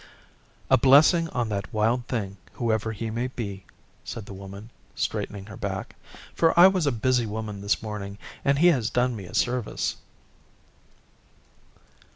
'A blessing on that Wild Thing whoever he may be,' said the Woman, straightening her back, 'for I was a busy woman this morning and he has done me a service.